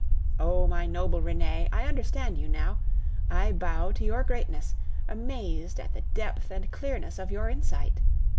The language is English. Oh! my noble Renee! I understand you now. I bow to your greatness, amazed at the depth and clearness of your insight.